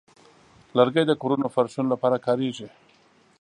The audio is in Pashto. لرګی د کورونو فرشونو لپاره کاریږي.